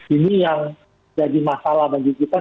ini yang jadi masalah bagi kita